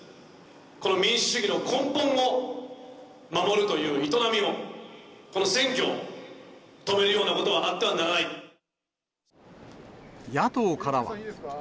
この民主主義の根本を守るという営みをこの選挙を止めるようなこ野党からは。